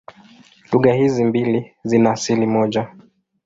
Lugha hizi mbili zina asili moja.